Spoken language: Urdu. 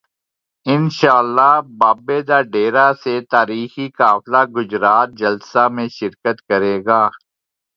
انشا ءاللہ بابے دا ڈیرہ سے تا ریخی قافلہ گجرات جلسہ میں شر کت کر ے گا